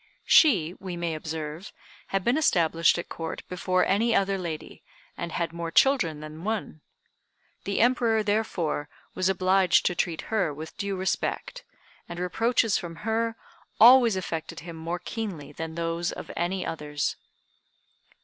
She, we may observe, had been established at Court before any other lady, and had more children than one. The Emperor, therefore, was obliged to treat her with due respect, and reproaches from her always affected him more keenly than those of any others.